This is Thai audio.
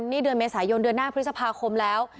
นี่เดือนเมษายนเดือนหน้าพฤษภาคมแล้ว